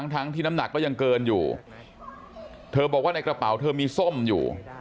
ทั้งที่น้ำหนักก็ยังเกินอยู่เธอบอกว่าในกระเป๋าเธอมีส้มอยู่